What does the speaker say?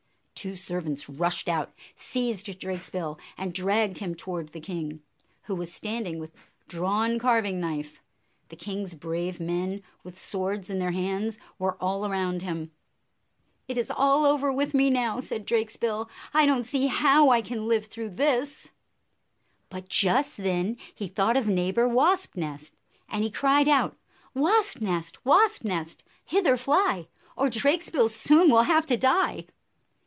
Two servants rushed out, seized Drakesbill, and dragged him toward the king, who was standing with drawn carving knife. The king's brave men, with swords in their hands, were all around him. "It is all over with me now," said Drakesbill. "I don't see how I can live through this! " 98 But just then he thought of Neighbor Wasp nest, and he cried out, "Wasp nest, Wasp nest, hither fly, Or Drakesbill soon will have to die!"